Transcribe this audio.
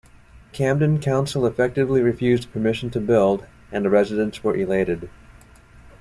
Camden Council effectively refused permission to build and the residents were elated.